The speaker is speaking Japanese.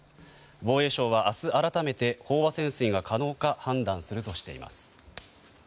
防衛省は、明日、改めて飽和潜水が可能か判断するとしています。